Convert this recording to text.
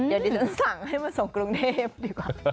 เดี๋ยวดิฉันสั่งให้มาส่งกรุงเทพดีกว่า